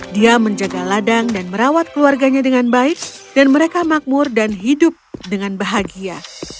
dia menjaga ladang dan merawat keluarganya dengan baik dan mereka makmur dan hidup dengan bahagia